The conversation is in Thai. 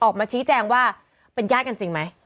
ออกมาชี้แจงว่าเป็นญาติกันจริงไหม